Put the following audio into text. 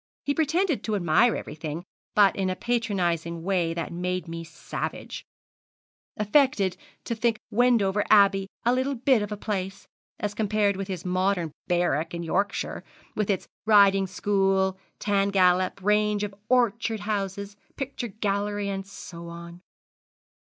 He pretended to admire everything, but in a patronising way that made me savage; affected to think Wendover Abbey a little bit of a place, as compared with his modern barrack in Yorkshire, with its riding school, tan gallop, range of orchard houses, picture gallery, and so on.